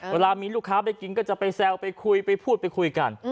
เวลามีลูกค้าไปกินก็จะไปแซวไปคุยไปพูดไปคุยกัน